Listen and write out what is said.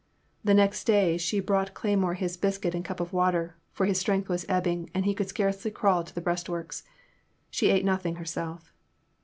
The next day she brought Cleymore his biscuit and cup of water, for his strength was ebbing, and he could scarcely crawl to the breastworks. She ate nothing her self.